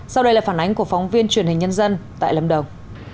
sau đây là phản ánh của phóng viên truyền hình nhân dân tại lâm đồng